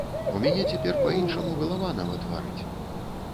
У мяне цяпер па-іншаму галава нават варыць.